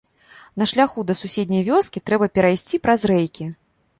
На шляху да суседняй вёскі трэба перайсці праз рэйкі.